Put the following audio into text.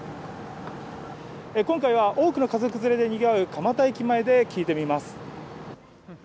今回は多くの家族連れでにぎわう蒲田駅前で聞いてみます。